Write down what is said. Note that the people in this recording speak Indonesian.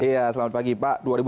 iya selamat pagi pak